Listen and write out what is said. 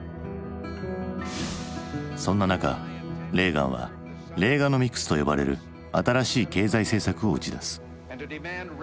そんな中レーガンは「レーガノミクス」と呼ばれる新しい経済政策を打ち出す。